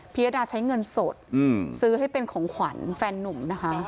ยดาใช้เงินสดซื้อให้เป็นของขวัญแฟนนุ่มนะคะ